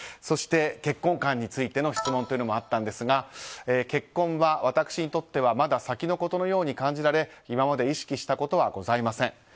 そして、結婚観についての質問もあったんですが結婚は私にとってはまだ先のことのように感じられ今まで意識したことはございません。